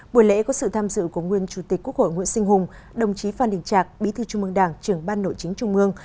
buổi lễ có sự tham dự của nguyên chủ tịch quốc hội nguyễn sinh hùng đồng chí phan đình trạc bí thư trung mương đảng trưởng ban nội chính trung mương